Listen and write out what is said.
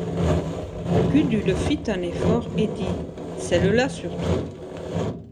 Gudule fit un effort et dit: — Celle-là surtout.